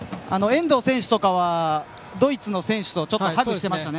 遠藤選手とかはドイツの選手とハグしていました。